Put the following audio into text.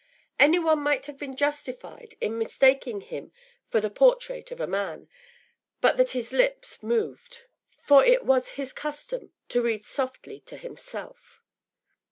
Any one might have been justified in mistaking him for the portrait of a man, but that his lips moved; for it was his custom to read softly to himself.